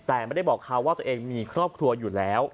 แต่ไม่ได้บอกเขาว่าตัวเองมีครอบครัวอยู่แล้ว